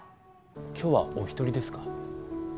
今日はお１人ですか？